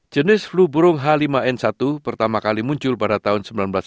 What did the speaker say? jenis flu burung h lima n satu pertama kali muncul pada tahun seribu sembilan ratus sembilan puluh